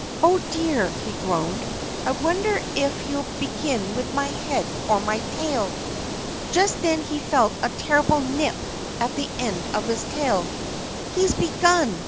"Oh, dear!" he groaned. "I wonder if he'll begin with my head or my tail!" Just then he felt a terrible nip at the end of his tail. "He's begun!